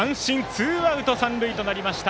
ツーアウト、三塁となりました。